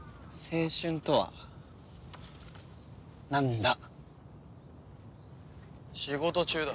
青春とはなんだ！？